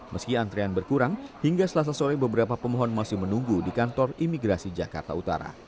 meski antrian berkurang hingga selasa sore beberapa pemohon masih menunggu di kantor imigrasi jakarta utara